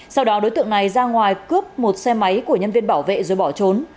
sau đó đối tượng này ra ngoài cướp một xe máy của nhân viên bảo vệ rồi bỏ trốn